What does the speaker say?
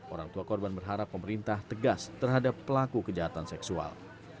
orang tua korban berharap pemerintah tegas terhadap pelaku kejahatan seksual